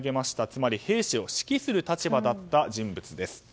つまり兵士を指揮する立場だった人物です。